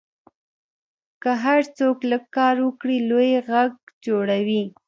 که هر څوک لږ کار وکړي، لوی غږ جوړېږي.